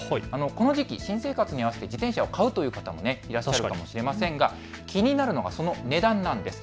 この時期、新生活に合わせて自転車を買うという方もいらっしゃるかもしれませんが気になるのはその値段なんです。